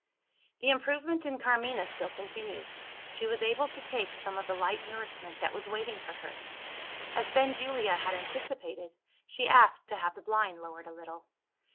The improvement in Carmina still continued: she was able to take some of the light nourishment that was waiting for her. As Benjulia had anticipated, she asked to have the blind lowered a little.